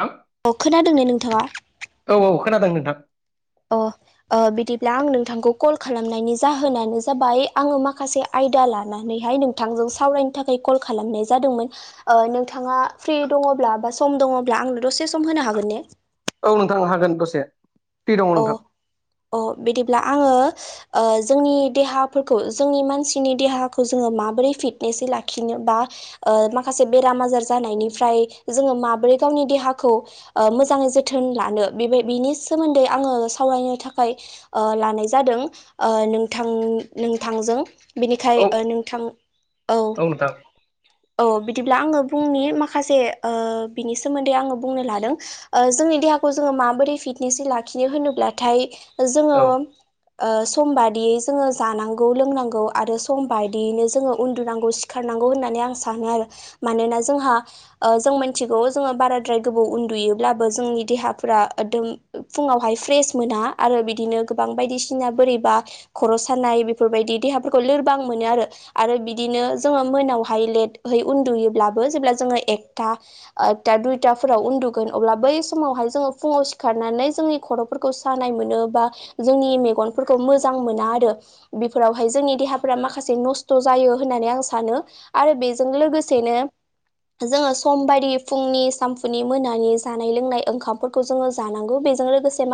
थां अ खोनादों ने नोंथांङा औ औ खोनादों नोंथां अ बिदिब्ला आं नोंथांखौ कल खालामनायनि जाहोनानो जाबाय आंङो माखासे आ यदा लानानैहाय नोंथांजों सावरायनो थाखाय कल खालामनाय जादोंमोन नोंथांङा फ्रि दं दंङोब्ला बा सम दंब्ला आंनो दसे सम होनो हागोन ने औ नोंथां हागोन दसे फ्रि दङ अ नोंथां अ बिदिब्ला आंङो ओ जोंनि देहाफोरखौ जोंनि मानसिनि देहाखौ जोंङो माबोरै फिटनेसै लाखिनो बा माखासे बेराम आजार जानायनिफ्राय जोंङो माबोरै गावनि देहाखौ मोजांङै जोथोन लानो बे बिनि सोमोन्दै आंङो सावरायनो थाखाय लानाय जादों नोंथां नोंथांजों बेनिखाय औ नोंथां औ - औ बिदिब्ला आंङो बुंनि माखासे बिनि सोमोन्दै आंङो बुंनो लादों जोंनि देहाखौ जोंङो माबोरै फिटने लाखिनो होनोब्लाथाय जोंङो औ सम बायदियै जोंङो जानांगौ लोंनांगौ आरो सम बायदियैनो जोंङो उन्दुनांगौ सिखारनांगौ होननानै आं सानो आरो मानोना जोंहा जों मोनथिगौ जों बाराद्राय गोबाव उन्दुयो। ब्लाबो जोंनि देहाफोरा दों फुंङावहाय फ्रेस मोना आरो बिदिनो गोबां बायदिसिना बोरैबा खर' सानाय बेफोरबायदि देहा लोरबां मोनो आरो आरो बिदिनो जोंङो मोनावहाय ले उन्दुयोब्लाबो जेब्ला जों एगथा दुयथा फोराव उन्दुगोन बै समाव अब्ला सिखारगोन अ बै समावह जोंङो फुंङाव सिखारनानै जों' स मोन बा जोंनि मेगफोरखौ मोजां मोना आरो बेफोरावहाय जोंनि देहाफ्रा माखासे नस्थ' जायो होननानै आं सानो आरो बेजों लोगोसेनो जोंङो सम बदि फुंनि सानफुनि मोनानि जानाय लोंनाय ओंखामफोरखौ जोंङो जानांगौ बे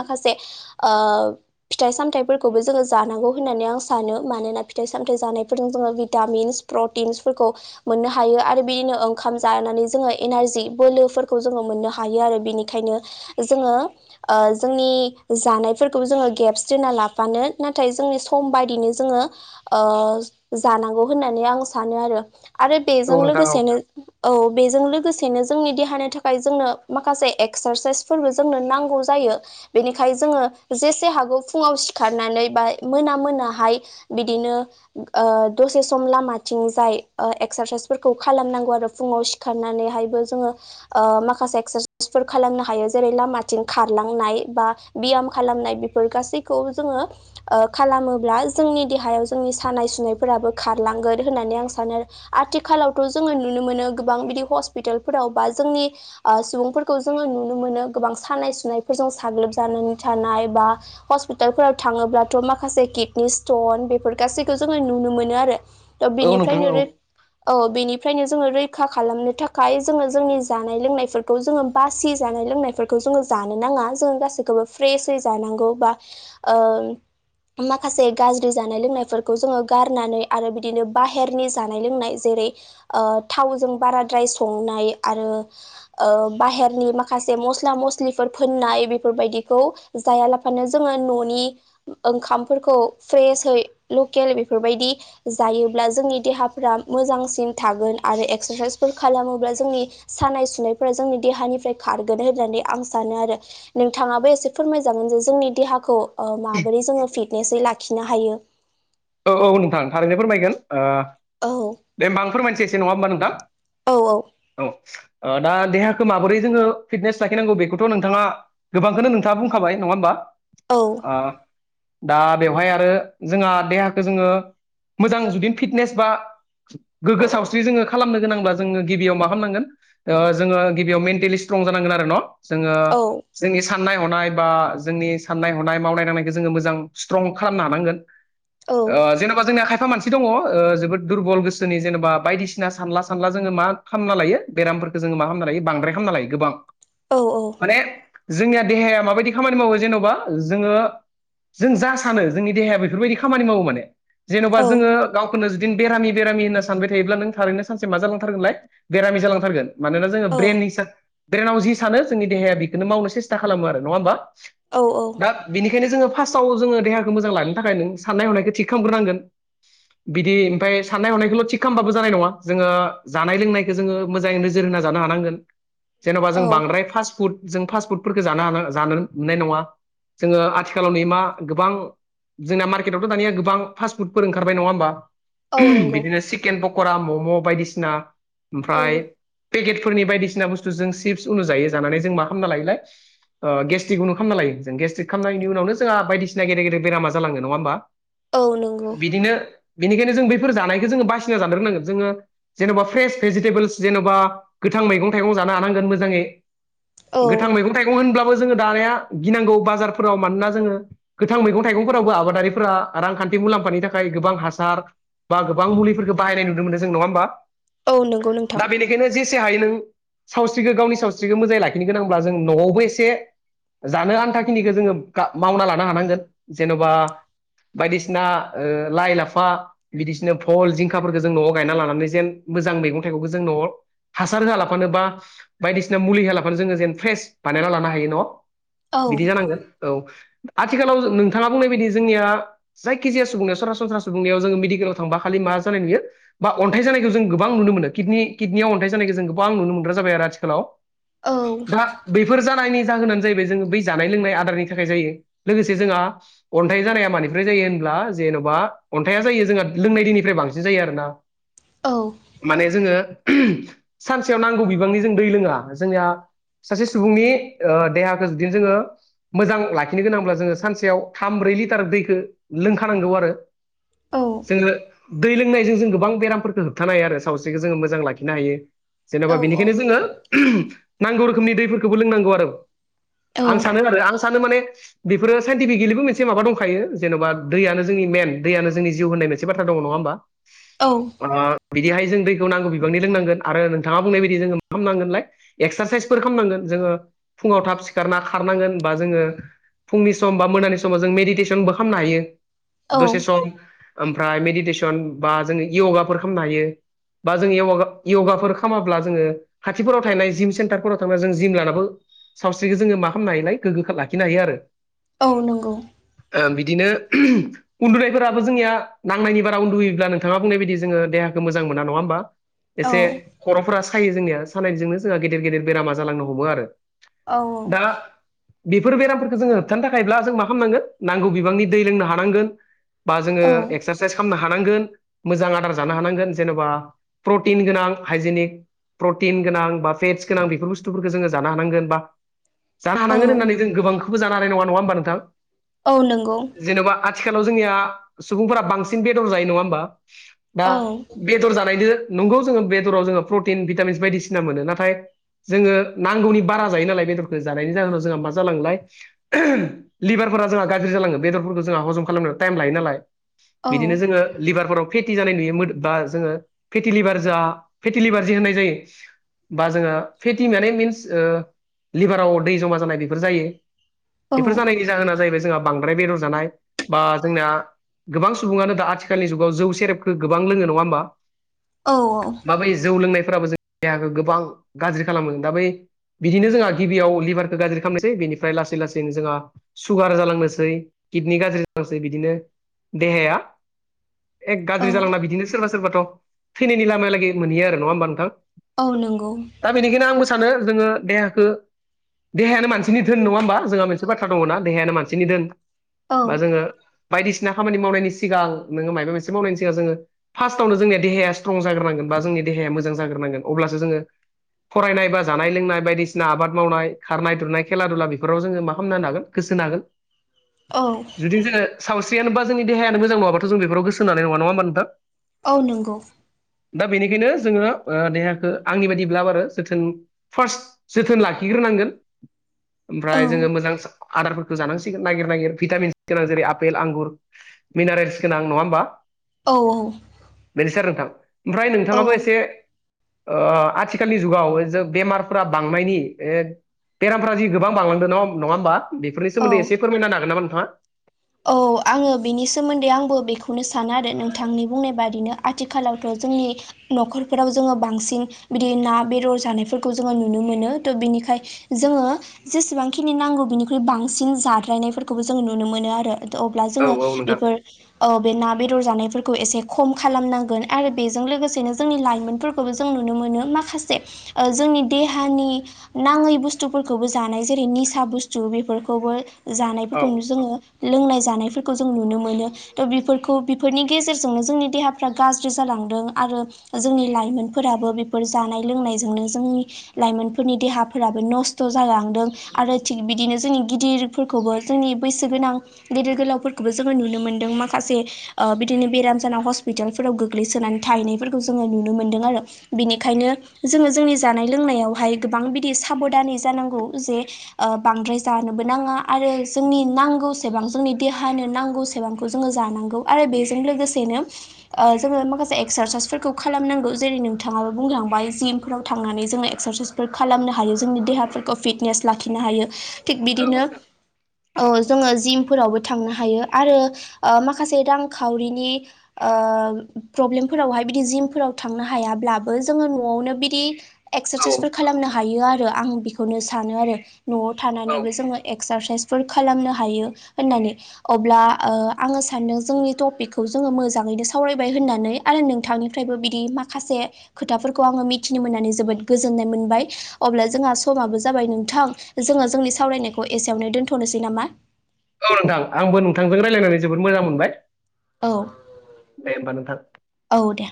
मासे फिथाइ सामथफोरखौबो जोंङो जानांगौ होननानै आं सानो फिथाइ साम जानाय फोरजों भितामिन प्रतिन फोरखौ मोननो हायो आरो बिनो ओंखाम लानानै जोंङो एनारजि बोलोफोरखौ जोंङो मोननो हायो आरो बिनिखायनो जोंङो जोंनि जानायफोरखौबो जोंङो गेब्स दोना लाफानो नाथाय जोंनि सम बायदिनो जोंङो जानांगौ होननानै आं सानो आरो। आरो बेजों औ नोंथां औ लोगोसेनो औ बेजों लोगोसे जों देहानि थाखाय एगस्रासायफोरबो नांगौ जायो बेनिखायनो जोङो जेसे हागौ फुंङाव सिखारनानै बा मोना मोनाहाय बिदिनो दसे सम लामाथिंजाय एक्सारसाइसफोरखौ खालामनांगौ आरो फुङाव सिखारनानै एक्सायस खालामनो हायो। जेरै लामाथिं खारलांनाय बा ब्याम खालामनाय बेफोर गासैखौबो जोंङो खालामोब्ला जों जोंनि देयाव जोंनि सानाय-सुनायफोराबो खारलांगोन होननानै आं सानो आरो आथिखालावथ' जोङो नुनो मोन मोनो गोबां बिदि हसपिताल फोराव बा जोंनि ओ सुबुंफोरखौ जोङो नुनो मोनो गोबां सानाय‌ सु नाय फोरजों साग्लोब जानानै थानाय बा हस्पितालफोराव थाङोब्लाथ' माखासे किटनि स्ट अन बेफोर गासैखौ जोङो नुनो मोनो आरो त औ नोंथां बेनिफ्रायनो औ रै औ बेनि फ्रायनो जोङो रैखा खालामनो थाखाय जोङो जोंनि जानाय-लोंनायफोरखौ जोङो बासि जानाय लोंनायफोरखौ जोङो जानो नाङा जों गासैखौबो फ्रेसै जानांगौ बा ओ माखासे गाज्रि जानाय-लोंनायफोरखौ जोङो गारनानै आरो बिदिनो बाहेरनि जानाय-लोंनाय जे रै ओ थावजों बाराद्राय संनाय आरो ओ बाहेरनि माखासे मस्ला मस स्लिफोर फोननाय बेफोरबायदिखौ जायालाफानो जोङो न'नि ओंखामफोरखौ फ्रेसयै लकेल बेफोरबायदि जायोब्ला जोंनि देहाफ्रा मोजांसिन थागोन। आरो एक्सारसाइस फोर खालामोब्ला जोंनि सानाय सुनायफोरा जोंनि देहानिफ्राय खारगोन होननानै आं सानो आरो नोंथाङाबो एसे फोरमायजागोन जे जोंनि देहाखौ ओ माबोरै जोङो फिट नेसै लाखिनो हायो। औ औ नोंथां थारैनो फोरमायगोन ओ औ दे होमबा आ फोरमायसै एसे नङा होमबा नोंथां औ औ ओ दा देहाखौ माबोरै जोङो फिटनेस लाखिनांगौ बेखौथ' नोंथाङा गोबांखौनो नोंथाङा बुंखाबाय नङा होमबा? औ ओ दा बेवहाय आरो जोंहा देहाखौ जोङो मोजां जुदि फिटनेस बा गोग्गो सावस्रि जोङो खालामनो गोनांब्ला जोङो गिबियाव मा खामनांगोन ओ जोङो गिबियाव मेन्टेलि स स्ट्रं जानांगोन आरो न' जोङो औ जोंनि साननाय-हनाय बा जोंनि साननाय-हनाय मावनाय-दांनायखौ जोङो मोजां स्ट्रं खालामनो हानांगोन। औ ओ जेन'बा जोंनिया खा फा मानसि दङ' ओ जोबोद दुरबल गोसोनि जेनेबा बायदिसिना सानला सानला जोङो मा खालामना लायो बेराम फोरखो जोङो मा खामना लायो बांद्राय खामना लायो गोबां औ माने जोंनिया देहाया माबायदि खामानि मावो जेन'बा जोङो जों जा सानो जोंनि देहाया बेफोरबायदि खामानि मावो माने जेन'बा औ जोङो गावखौनो बेरामि बेरामि होनना सानबाय थायोब्ला नों थारैनो सानसे मा जालांथारगोनलाय बेरामि जालांथारगोन मानोना जोङो ब्रेन हिसा ब्रेनाव जि सानो जोंनि देहाया बेखोनो मावनो सेस्था खालामो नङा होमबा औ दा बेनिखायनो जोङो फास्टआव जोङो देहाखौ मोजां लानो थाखाय नों साननाय-हनायखौ थिग खालामग्रोनांगोन बिदि ओमफाय साननाय हनायखौल' थिग खामबाबो जानाय नङा जोङो जानाय लोंनायखौ जोङो मोजाङै नोजोर हो होना जानो हानांगोन जेन'बा औ जों बांद्राय फास फुद जों फास्ट फुडफोरखौ जानो हा जानो मोननाय नङा जोङो आथिखालाव नै मा गोबां जोंना मार दानिया गोबां फासफुडफोर ओंखारबाय नङा होमबा औ नंगौ बिदिनो हिकेन पक क'रा मम' बायदिसिना औ ओमफ्राय पेकेटफोरनि बायदिसिना बुस्थु जों सिप्स उनु जायो जानानै जों मा खालामना लायोलाय ओ गेस्टिक उनु खामना लायो जों गेस्टिक खामनायनि उनावनो जोङा बदिसिना गेदे गदे बेरामा जालाङो नङा ओमबा? औ नंगौ बिदिनो बिनिखायनो जों बैफोर जानायखौ जोङो बासिना जानो रोंनांगोन जोङो जेन'बा फ्रेस भेजिटेबोल्स जेन'बा गोथां मैगं-थाइगं जानो हानांगोन मोजाङै औ गोथां मैगं-थाइगं होनब्ला जोङो दानाया गिनांगौ बाजारफोराव मानोना जोङो गोथां मैगं थाइगंफोरावबो आबादारि फोरा रांखान्थि मुलाम्फानि थाखाय गोबां हासार बा गोबां मुलिफोरखौ बाहायनाय नुनो मोनदों जों नङा होमबा? औ नंगौ नोंथां दा बेनिखायनो जेसे हायो नों सावस्रिखौ गावनि सावस्रिखौ मोजाङै लाखिनो गोनांब्ला जों न'आवबो एसे जानो आन्थााखिनिखो जोङो गा मावना लानो हानांगोन जेन'बा बायदिसिना ओ लाइ लाफा बिदिसिना भल जिंखाफोरखौ जों न'आव गायना लानानै जेन मोजां मैगं-थाइगंखो जों न'आव हासार होआलाफानो बा बायदिसिना मुलि होआलाफानो जोङो जेन फ्रेस बानायना लानो हायो न' औ बिदि जानांगोन औ आथिखालाव नोंथाङा बुंनाय बायदि जोंनिया जायखि जाया सुबुंनायाव सरासनस्रा सुबुंनायाव जोङो मेडिकेलाव थांबा खालि मा जानाय नुयो बा अन्थाइ जानाय जों गोबां नुनो मोनो किडनियाव अन्थाइ जानायखौ जों गोबां नुनो मोनग्रा जाबाय आरो आथिखालाव औ दा बेफोर जानो नि जाहोनानो जाहैबाय जो बै जानाय लोंनाय आदारनि थाखाय जायो लोगोसे जोंहा अन्थाइ जानाया मानिफ्राय जायो होनब्ला जेन'बा अन्थाइया जायो जोंहा लोंनाय दैनिफ्राय बांसिन जायो आरो ना औ माने जोङो सानसेयाव नांगौ बिबांनि जों दै लोङा जोंनिया सासे सुबुंनि देहाखौ जुदिनो जोङो मोजां लाखिनो गोनांब्ला जोङो सानसेयाव थामब्रै लिटार दैखौ लोंखानांगौ आरो औ जोङो दै लोंनायजों जों गोबां बेरामफोरखौ होबथानो हायो आरो सावस्रिखौ जोङो मोजां लाखिनो हायो औ जेनेबा बेनिखायनो जोङो नांगौ रोखोमनि दैफोरखौबो लोंनांगौ आरो औ आं सानो आरो आं सानो माने बेफोरो साइन्टिफिक किलिबो मोनसे माबा दंखायो जेन'बा दैयानो जोंनि मेन दैयानो जोंनि जिउ होननायसे बाथ्रा दङ नङा होमबा औ बिहाय जों दैखौ नांगौ बिबांनि लोंनांगोन आरो नोंथाङा बुंनाय बायदि जोङो मा खालामनांगोनलाय एक्सारसाइसफोर खालामनांगोन जोङो फुङाव थाब सिखारना खारनांगोन बा जोङो फुंनि सम बा मोनानि समाव जों मेडिटेसनबो खालामनो हायो दसे सम ओमफ्राय मेडिटेसन बा जोङो यगाफोर खालामनो हायो बा जोंङया यगाफोर खालामाब्ला जोङो खााथिफोराव थानायनाय जिम सेन्टारफोराव थांनानै जों जिम लानाबो सावस्रिखौ जोङो मा खालामनो हायोलाय गोग्गोखौ लाखिनो हायो आरो औ नंगौ बिदिनो उन्दुनायफोराबो जोंनिया नांनायनि बारा उन्दुयोब्ला नोंथाङा बुंनाय बायदि जोङो देहाखौ मोजां मोन नङा होमबा औ एसे खर'फोरा सायो जोंनिया सानायजोंनो जोंहा गेदेर गेदेर बेरामा जालांनो हमो आरो । औ बेफोर बेरामफोरखौ जोङो होबथानो थाखायब्ला जों मा खालामनांगोन नांगौ बिबांनि दै लोंनो हानांगोन । बा जोङो एक्सारसाइस खालामनो हा नांगोन मोजां आदार जानो हानांगोन जेनेबा प्रटिन गोनां हाइजेनिक प्रटिन गोनां बा फेट्स गोनां बेफोर बुस्थुफोरखौ जोङो जानो हानांगोन बा जानो औ हानांगोन होननानै जों गोबांखौबो जानो हानाय नङा नङा होमबा नोंथां? औ नंगौ । जेन'बा आथिखालाव जोंनिया सुबुंफोरा बांसिन बेदर जायो नङा होमबा दा औ बेदर जानायदो नंगौ जोङो बेदराव जोङो प्रटिन भिटामिन्स बायदिसिना मोनो नाथाय जोङो नांगौनि बारा जायो नालाय बेदरखौ जानायनि जाहोनाव जोंहा मा जालांलाय लिभारफोरा जोंहा गाज्रि जालाङो बेदरफोरखौ जोंहा हजम खालामनायाव टाइम लायो नालाय औ बिदिनो जोङो लिभारफोराव फेटि जानाय नुयो बा जोङो फेलिभार जा फेटिलिभार जि होननाय जायो । बा जोङो फेटि मे मिन्स लिभाराव दै जमा जानाय बेफोर जायो । औ बेफोर जानायनि जाहोना जाहैबाय जोंहा बांद्राय बेदर जानाय बा जोंना गोबां सुबुङानो दा आथिखालनि जुगाव जौ सेरेबखो गोंबां लोङो नङा होमबा? औ दा बै जौ लोंनायफोराबो जों देहाखौ गोबां गाज्रि खालामो दा बै बिदिनो जोंहा गिबियाव लिभारखौ गाज्रि खालामनोसै बेनिफ्राय लासै लासैनो जोंहा सुगार जालांनोसै किडनि गाज्रि जालांसै बिदिनो देहाया एक औ गाज्रि जालांना बिदिनो सोरबा सोरबाथ' थैनायनि लामायालागै मोनहैयो आरो नङा होमबा नोंथां? औ नंगौ दा बेनिखायनो आंबो सानो जोङो देहाखौ देहायानो मानसिनि धोन नङा होमबा जोंहा मोनसे बाथ्रा दङ ना देहायानो मानसिनि दोन औ बा जोङो बायदिसिना खामानि मावनायनि सिगां नोङो मायबा मोनसे मावनायनि सिगां जोङो फार्स्टआवनो जोंनिया देहाया स्ट्रं जाग्रोनांगोन । बा जोंनि देहाया मोजां ज्रोनांगोन अब्लासो जोङो फरायनाय बा जानाय लोंनाय बायदिसिना आबाद मावनाय खारनाय दुरनाय खेला दुला बेफोराव जोङो मा खालामनो हागोन । गोसो होनो हागोन औ जुदि जोङो सावस्रि जेनबा जों देहाय मोजां नाडाबाथ' जों बेयाव गोसो होनो हानाय नङा मानो होनबा? औ नंगौ दा बेनिखायनो जोङो देहाखौ आंनि बायदिब्लाब आरो जोथोन फार्स्ट जोथोन लाखिग्रो नांगोन औ ओमफ्राय जोङो मोजां आदारफोरखौ जानांसिगोन नागिर नागिर भिटामिनस गोनां जेरै आपेल आंगुर मिनारेल्स गोनां नङा होमबा? औ बेनो सि आरो नोंथां ओमफ्राय औ नोंथाङाबो एसे ओ आथिखालनि जुगाव जे बेमारफोरा बांनायनि बेरामफ्रा जि गोबां बांलांदों ना नङा होमबा बेफोरनि सोमोन्दै औ एसे फोरमायनो हागोन नामा नोंथाङा? औ आङो बिनि सोमोन्दै आंबो बेखौनो सानो आरो नोंथांनि बुंनाय बादिनो आथिखालावथ' जोंनि न'खरफोराव जोङो बांसिन बिदि ना बेदर जानायफोरखौ जोङो नुनो मोनो त' बिनिखाय जोङो जेसेबांखिनि नांगौ बिनिख्रुइ बांसिन जाद्रायनायफोरखौबो जोंङो नुनो मोनो आरो । अब्ला औ जोङो औ नोंथां बेफोर बे ओ ना बेदर जानायफोरखौ एसे खम खालामनांगोन आरो बेजों लोगोसेनो जोंनि लाइमोनफोरखौबो जों नुनो मोनो मा माखासे ओ जोंनि देहानि नाङै बुस्थुफोरखौबो जानाय जेरै निसा बुसथु बेफोरखौबो औ जानायफोरखौनो जोङो लोंनाय जानायफोरखौ जों नुनो मोनो त' बेफोरखौ बेफोरनि गेजेरजोंनो जोंनि देहाफ्रा गाज्रि जालाङो । जोंनि लाइमोनफोराबो बेफोर जानाय लोंनायजोंनो जोंनि लाइमोनफोरनि देहा फोराबो नस्थ' जालांदों आरो थिग बिदिनो जोंनि गिदिरफोरखौबो जोंनि बैसो गोनां गेदेर गोलावफोरखौबो जोङो नुनो मोनदों माखासे बिदिनो ओ बेराम जाना हस्पिटालफोराव गोग्लैसोनानै थाहैनायफोरखौ जोङो नुनो मोनदों आरो बेनिखायनो जोङो जोंनि जानाय लोंनायावहाय गोबां बिदि साबनानै जानांगौ जे ओ बांद्राय राय जानोबो नाङा आरो जोंनि नांगौ सेबां जोंनि देहानि नांगौसेबांखौ जोङो जानांगौ आरो बेजों लोगोसेनो ओ जोङो एक्सारसाइसफोरखौ खालामनांगौ जेरै नोंथाङाबो बुंलांबाय जिमफोराव थांनानै जोङो एक्सारसाइसफोर खालाम नो हायो जोंनि देहाफोरखौ फिटनेस लाखिनो हायो थिग बिदिनो औ जोङो जिम फोरावबो थांनो हायो आरो ओ माखासे रांखावरिनि ओ फ्र प्रब्लेमफोरावहाय बिदि जिमफोराव थांनो हायाब्लाबो जोङो न'आवनो बिदि औ एक्सारसाइसफोर खालामनो हायो आरो आं बिखौनो सानो आरो न'आव औ थानानैबो जोङो एक क्सारसाइसफोर खालामनो हायो। होननानै अब्ला ओ आङो सानदों जोंनि टपिकखौ जोङो मोजाङैनो सावरायबाय होननानै। आरो नोंथांनिफ्रायबो बिदि माखासे खोथाफोरखौ आङो मिथिनो मोननानै जोबोद गोजोननाय मोनबाय। अब्ला जोंहा समाबो जाबाय नोंथां जोङो जोंनि सावरायनायखौ एसेयावनो दोन्थ'नोसै नामा? औ नोंथां आंबो नोंथांजों रायलायनानै जोबोद मोजां मोनबाय। औ दे होमबा नोंथां औ दे।